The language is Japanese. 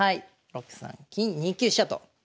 ６三金２九飛車と。